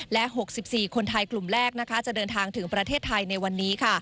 และ๖๔คนไทยกลุ่มแรกจะเดินทางถึงประเทศไทยในวันนี้